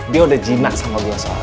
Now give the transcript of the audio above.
dia udah jinak sama gue soalnya